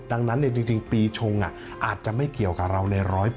ดังนั้นจริงปีชงอาจจะไม่เกี่ยวกับเราใน๑๐๐